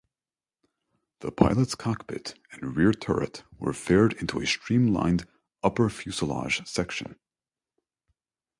The pilot's cockpit and rear turret were faired into a streamlined upper fuselage section.